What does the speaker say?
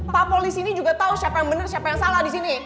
pak polisi ini juga tau siapa yang bener siapa yang salah disini